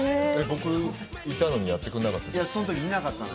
僕いたのにやってくれなかったの？